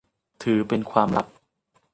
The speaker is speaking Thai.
ถือเป็นความลับ